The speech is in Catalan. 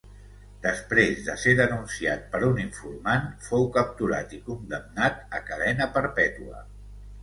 Després de ser denunciat per un informant, fou capturat i condemnat a cadena perpètua.